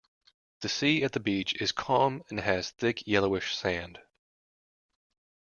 The sea at the beach is calm and has thick, yellowish sand.